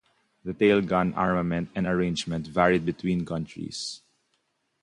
The tail gun armament and arrangement varied between countries.